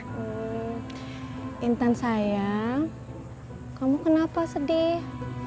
hmm intan sayang kamu kenapa sedih